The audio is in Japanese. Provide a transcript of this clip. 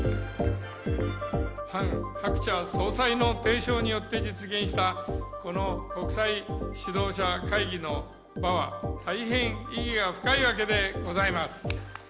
ハン・ハクチャ総裁の提唱によって実現したこの国際指導者会議の場は、大変意義が深いわけでございます。